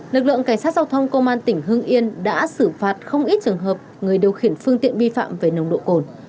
lực lượng cảnh sát giao thông công an tỉnh hưng yên đã xử phạt không ít trường hợp người điều khiển phương tiện vi phạm về nồng độ cồn